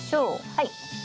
はい。